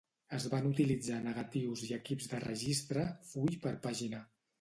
Es van utilitzar negatius i equips de registre "full per pàgina".